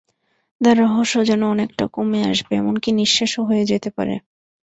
তার রহস্য যেন অনেকটা কমে আসবে, এমনকি নিঃশেষও হয়ে যেতে পারে।